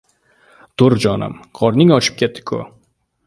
— Tur, jonim, qorning ochib ketdi-ku.